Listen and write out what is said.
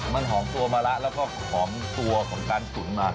มันหอมตัวมะละแล้วก็หอมตัวของการตุ๋นมา